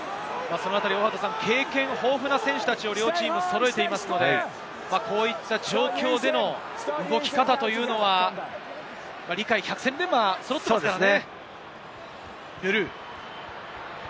経験豊富な選手たちを両チームとも揃えていますので、こういった状況での動き方は百戦錬磨、揃っていますからね。